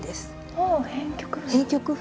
あ編曲譜。